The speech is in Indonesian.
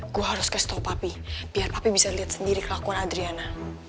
gue harus kasih tau papi biar papi bisa liat sendiri kelakuan adriana